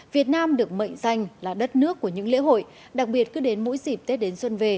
việt nam được mệnh danh là đất nước của những lễ hội đặc biệt cứ đến mỗi dịp tết đến xuân về